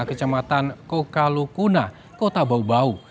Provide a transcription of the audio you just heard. kecamatan kokalukuna kota baubau